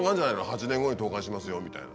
８年後に投かんしますよみたいな。